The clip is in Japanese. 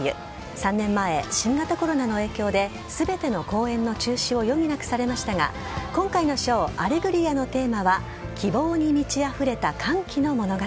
３年前、新型コロナの影響で全ての公演の中止を余儀なくされましたが今回のショーアレグリアのテーマは希望に満ちあふれた歓喜の物語。